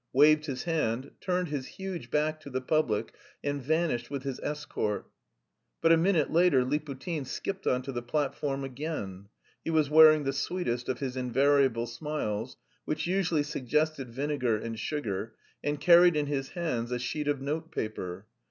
waved his hand, turned his huge back to the public and vanished with his escort. But a minute later Liputin skipped on to the platform again. He was wearing the sweetest of his invariable smiles, which usually suggested vinegar and sugar, and carried in his hands a sheet of note paper.